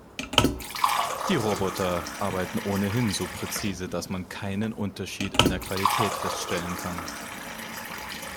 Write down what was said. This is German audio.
Die Roboter arbeiten ohnehin so präzise, dass man keinen Unterschied in der Qualität feststellen kann.